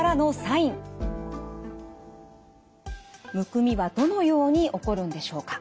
むくみはどのように起こるんでしょうか。